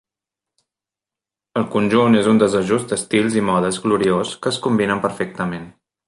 El conjunt és un desajust d'estils i modes gloriós que es combinen perfectament.